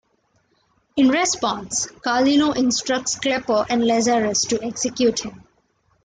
In response, Carlino instructs Klepper and Lazarus to execute him.